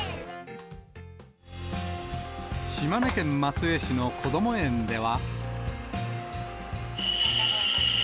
島根県松江市のこども園では。